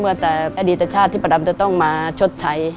แต่อดีตชาติที่ประดำจะต้องมาชดใช้